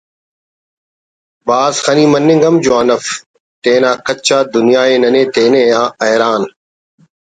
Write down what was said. بھاز خنی مننگ ہم جوان اف تینا کچ آ دنیا ءِ ننے تینے آ حیران